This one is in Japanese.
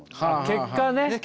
結果ね！